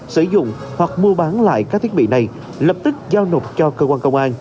sử dụng hoặc mua bán lại các thiết bị này lập tức giao nộp cho cơ quan công an